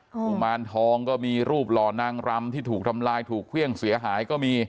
กุมารทองก็มีรูปหล่อนางรำที่ถูกทำลายถูกเครื่องเสียหายก็มี